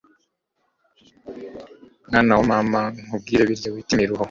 mwana wa mama nkubwire birya wita imiruho